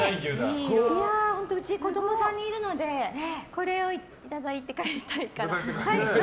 うち、子供が３人いるのでこれをいただいて帰りたいかな。